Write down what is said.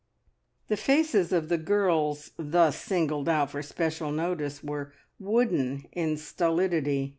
The faces of the girls thus singled out for special notice were wooden in stolidity.